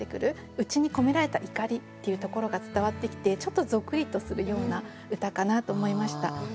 内に込められた怒りっていうところが伝わってきてちょっとゾクリとするような歌かなと思いました。